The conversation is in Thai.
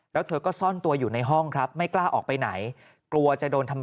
แล้วเธอก็ซ่อนตัวอยู่ในห้องครับไม่กล้าออกไปไหนกลัวจะโดนทำ